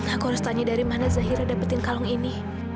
aku harus tanya dari mana zahira dapetin kalung ini